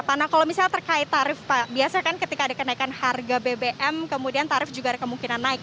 karena kalau misalnya terkait tarif pak biasanya kan ketika ada kenaikan harga bbm kemudian tarif juga ada kemungkinan naik